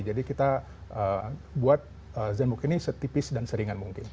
jadi kita buat zenbook ini setipis dan seringan mungkin